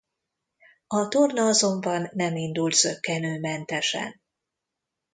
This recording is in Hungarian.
A torna azonban nem indult zökkenőmentesen.